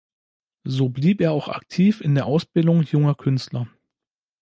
So blieb er auch aktiv in der Ausbildung junger Künstler.